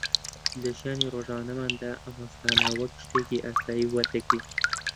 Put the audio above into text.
لە ژیانی ڕۆژانەماندا ئەم هەستانە وەک شتێکی ئاسایی وەردەگرین